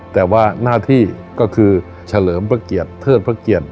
แต่ว่าหน้าที่ก็คือเฉลิมพระเกียรติเทิดพระเกียรติ